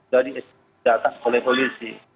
jadi datang oleh polisi